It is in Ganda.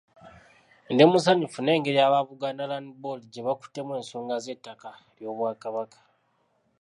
Ndi musanyufu n’engeri aba Buganda Land Board gye bakuttemu ensonga z’ettaka ly’Obwakabaka.